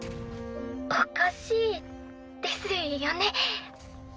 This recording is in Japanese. おかしいですよね。